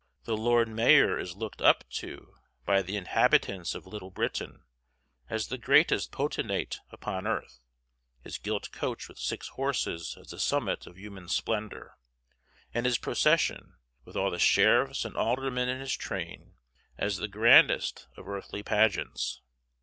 The Lord Mayor is looked up to by the inhabitants of Little Britain as the greatest potentate upon earth, his gilt coach with six horses as the summit of human splendor, and his procession, with all the sheriffs and aldermen in his train, as the grandest of earthly pageants.